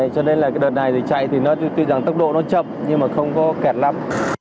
cho nên là cái đợt này thì chạy thì tuy rằng tốc độ nó chậm nhưng mà không có kẹt lắm